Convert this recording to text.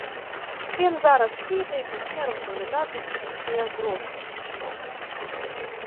Він зараз піде й почне розповідати всім, що я з розуму зійшов.